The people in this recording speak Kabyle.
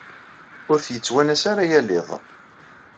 Ur t-yettwanas ara yal iḍ.